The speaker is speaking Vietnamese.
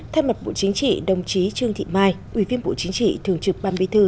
thay mặt bộ chính trị đồng chí trương thị mai ủy viên bộ chính trị thường trực ban bí thư